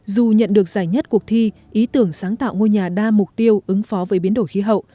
dù nhận được giải nhất cuộc thi ý tưởng sáng tạo ngôi nhà đa mục tiêu ứng phó với biến đổi khí hậu